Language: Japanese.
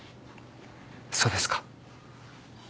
そうですか。